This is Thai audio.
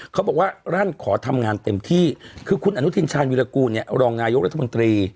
เขาบอกว่ารั่นขอทำงานเต็มที่คือคุณอนุทินชาญวิรากูลเนี่ยรองนายกรัฐมนตรี